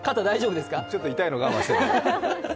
ちょっと痛いの我慢してる。